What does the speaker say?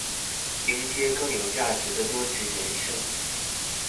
迎接更有價值的多職人生